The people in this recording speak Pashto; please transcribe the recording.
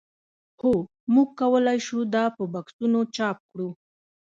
هو موږ کولی شو دا په بکسونو چاپ کړو